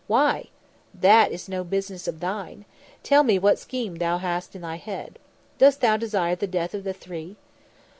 "Why?" "That is no business of thine. Tell me what scheme thou hast in thy head. Dost desire the death of the three?"